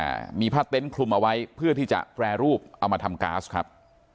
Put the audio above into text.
อ่ามีผ้าเต็นต์คลุมเอาไว้เพื่อที่จะแปรรูปเอามาทำก๊าซครับ